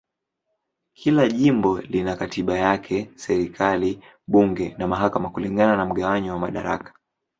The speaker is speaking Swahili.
Kila jimbo lina katiba yake, serikali, bunge na mahakama kulingana na mgawanyo wa madaraka.